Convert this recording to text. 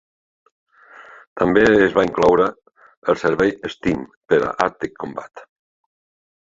També es va incloure el servei Steam per a Arctic Combat.